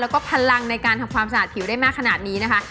แล้วก็พลังในการทำความสะอาดผิวได้มากขนาดนี้นะคะ